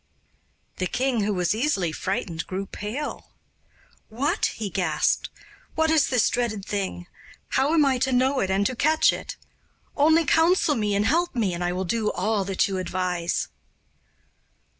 The king, who was easily frightened, grew pale. 'What?' he gasped 'what is this dreadful thing? How am I to know it and to catch it? Only counsel me and help me, and I will do all that you advise.